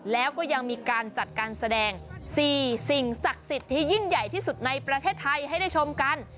แล้วก็ยังมีการจัดการแสดง๔สิ่งศักดิ์สิทธิ์ที่ยิ่งใหญ่ที่สุดในประเทศไทยให้ได้ชมกัน